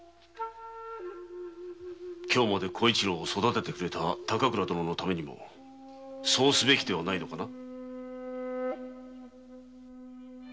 今日まで小一郎を育ててくれた高倉殿のためにもそうすべきではないのかな。